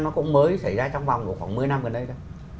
nó cũng mới xảy ra trong vòng khoảng một mươi năm gần đây thôi